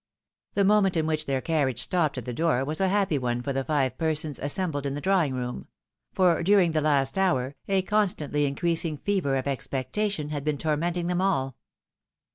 The moment in which their carriage stopped at the door was a happy one for the five persons assembled in the drawing room ; for during the last hour, a constantly increasing fever of ex pectation had been tormenting them all.